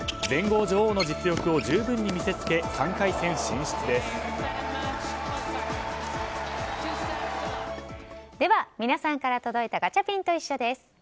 全豪女王の実力を十分に見せつけ、３回戦進出です。